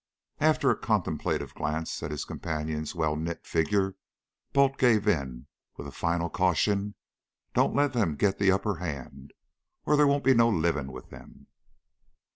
After a contemplative glance at his companion's well knit figure, Balt gave in, with the final caution: "Don't let them get the upper hand, or there won't be no living with them."